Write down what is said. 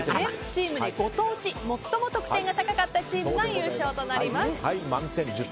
チームで５投し最も得点が高いチームが優勝となります。